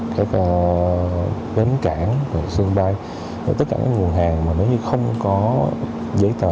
các bến cảng sân bay tất cả các nguồn hàng mà nếu như không có giấy tờ